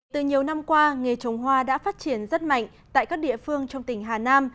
từ nhiều năm qua nghề trồng hoa đã phát triển rất mạnh tại các địa phương trong tỉnh hà nam